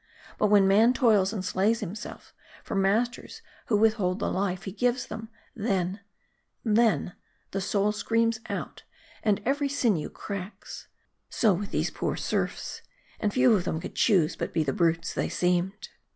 But when man toils and slays himself for mas K* 226 M A R D I. ters who withhold the life he gives to them then, then, the soul scrams out, and every sinew cracks. So with these poor serfs. And few of them could choose hut be the brutes they seemed.